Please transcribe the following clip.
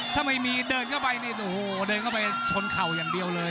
ถ้าไม่มีเดินก็ไปโอ้โหเดินก็ไปชนเข่ายังเดียวเลย